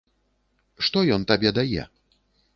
Што ён табе дае?